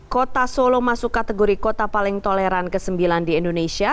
kota solo masuk kategori kota paling toleran ke sembilan di indonesia